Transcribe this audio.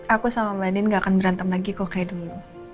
aku sama mbak nin gak akan berantem lagi kok kayak dulu